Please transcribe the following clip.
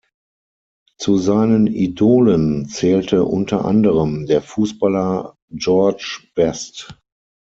Zu seinen Idolen zählte unter anderem der Fußballer George Best.